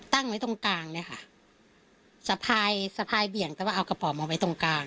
ตั้งไว้ตรงกลางเนี่ยค่ะสะพายสะพายเบี่ยงแต่ว่าเอากระป๋องมาไว้ตรงกลาง